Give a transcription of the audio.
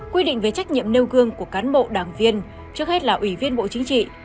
quy định về trách nhiệm nêu gương của cán bộ đảng viên trước hết là ủy viên bộ chính trị